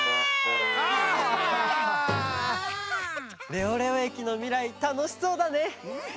レオレオ駅のみらいたのしそうだね！